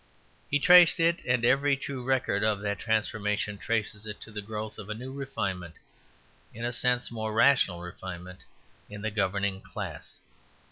He traced it, and every true record of that transformation traces it, to the growth of a new refinement, in a sense a more rational refinement, in the governing class.